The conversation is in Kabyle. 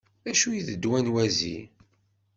D acu i d ddwa n wazi?